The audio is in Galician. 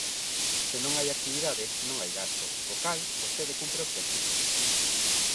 Se non hai actividade, non hai gasto; co cal, vostede cumpre obxectivos.